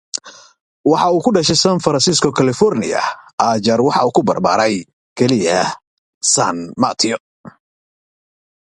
Born in San Francisco, California, Archer was raised just south in San Mateo.